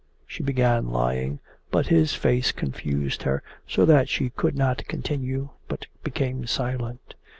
She began lying, but his face confused her so that she could not continue, but became silent.